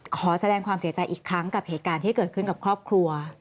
ขอแสดงความเสียใจอีกครั้งกับเหตุการณ์ที่เกิดขึ้นกับครอบครัว